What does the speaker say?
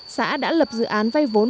xã đã lập dự án vây vốn